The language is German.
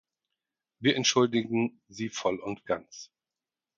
Wir entschuldigen Sie voll und ganz.